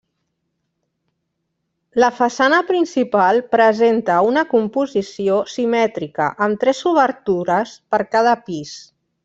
La façana principal presenta una composició simètrica, amb tres obertures per cada pis.